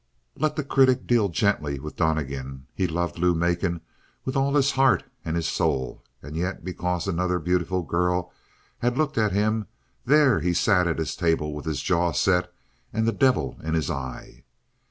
Let the critic deal gently with Donnegan. He loved Lou Macon with all his heart and his soul, and yet because another beautiful girl had looked at him, there he sat at his table with his jaw set and the devil in his eye.